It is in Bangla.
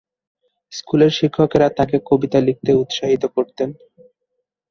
স্কুলের শিক্ষকরা তাকে কবিতা লিখতে উৎসাহিত করতেন।